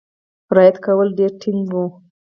رعایت کولو کې ډېر ټینګ وو.